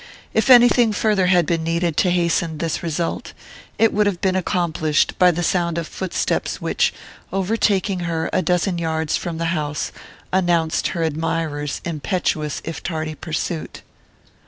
If anything farther had been needed to hasten this result, it would have been accomplished by the sound of footsteps which, over taking her a dozen yards from the house, announced her admirer's impetuous if tardy pursuit.